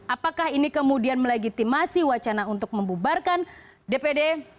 apakah ini kemudian melegitimasi wacana untuk membubarkan dpd